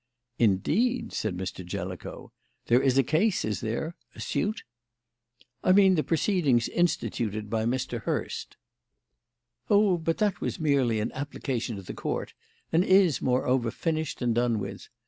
"Indeed," said Mr. Jellicoe. "There is a case, is there; a suit?" "I mean the proceedings instituted by Mr. Hurst." "Oh, but that was merely an application to the Court, and is, moreover, finished and done with.